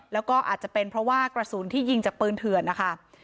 แล้วก็อาจจะเป็นเพราะว่ากระสุนที่ยิงจากปืนเถื่อนนะคะ